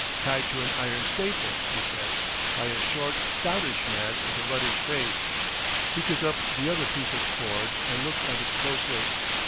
Tied to an iron staple," he said, "by a short, stoutish man with a ruddish face." He took up the other piece of cord and looked at it closely.